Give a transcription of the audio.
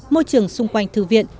môi trường xung quanh thư viện